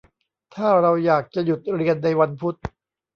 ถ้าเราอยากจะหยุดเรียนในวันพุธ